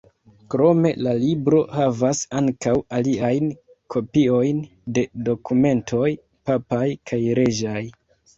Krome la libro havas ankaŭ aliajn kopiojn de dokumentoj papaj kaj reĝaj.